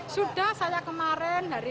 sudah saya kemarin